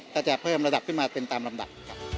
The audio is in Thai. แต่จะเพิ่มระดับที่มาเป็นตามลำดับ